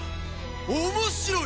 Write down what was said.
面白い！